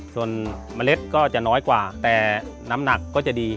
ส่วนเมล็ดก็จะน้อยกว่าแต่น้ำหนักก็จะดี